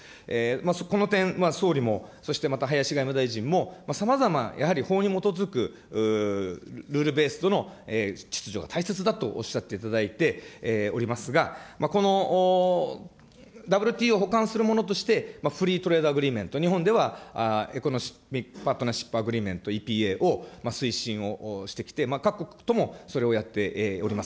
この点は総理も、そしてまた林外務大臣も、さまざま、やはり法に基づくルールベースとの秩序が大切だとおっしゃっていただいておりますが、このＷＴＯを補完するものとして、フリートレーダーグリーンメント、日本ではエコノミックパートナーシップアグリーメント・ＥＰＡを各国ともそれをやっております。